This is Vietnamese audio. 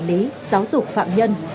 quản lý giáo dục phạm nhân